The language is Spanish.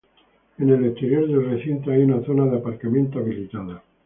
En el exterior del recinto hay una zona de aparcamiento habilitada.